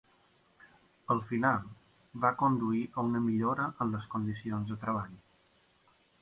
Al final, va conduir a una millora en les condicions de treball.